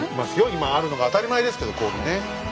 今あるのが当たり前ですけど氷ね。